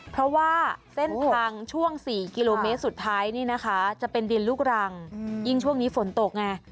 เพราะว่าเส้นทางช่วง๔กิโลเมตรสุดท้ายนี่นะคะจะเป็นดินลูกรังยิ่งช่วงนี้ฝนตกไง